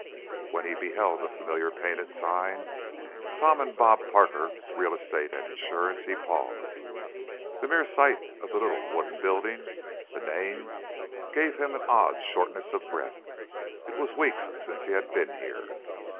When he beheld the familiar painted sign, "Tom and Bob Parker. Real Estate and Insurance," he paused. The mere sight of the little wooden building, the name, gave him an odd shortness of breath. It was weeks since he had been here.